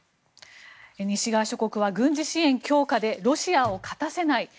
西側諸国は軍事支援強化でロシアを勝たせない。